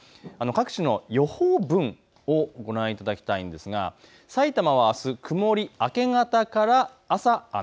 各地の予報文をご覧いただきたいんですがさいたまはあす曇り、明け方から朝、雨。